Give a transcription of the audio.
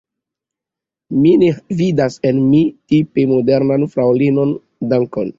Mi ne vidas en mi tipe modernan fraŭlinon; dankon!